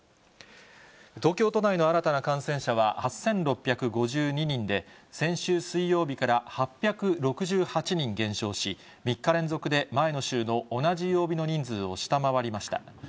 東京都内の新たな感染者は８６５２人で、先週水曜日から８６８人減少し、３日連続で前の週の同じ曜日の人数を下回りました。